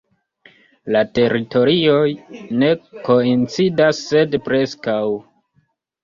La teritorioj ne koincidas, sed preskaŭ.